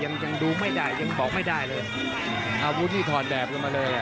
ยังยังดูไม่ได้ยังบอกไม่ได้เลยอาวุธนี่ถอดแบบกันมาเลยอ่ะ